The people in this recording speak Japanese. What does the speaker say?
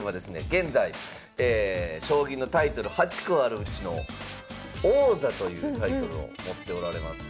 現在将棋のタイトル８個あるうちの「王座」というタイトルを持っておられます。